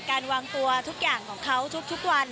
การวางตัวทุกอย่างของเขาทุกวัน